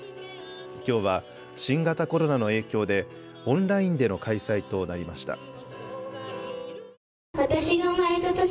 きょうは新型コロナの影響でオンラインでの開催となりました。